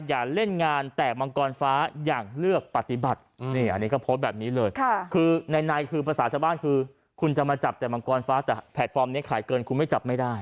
อันนี้ก็โพสแบบนี้เลยคือในในคือภาษาชาบ้านคือคุณจะมาจับแต่มังกรฟ้าแต่แพลตฟอร์มนี้ขายเกินคุณไม่จับไม่ได้